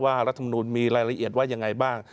รัฐมนุนมีรายละเอียดว่ายังไงบ้าง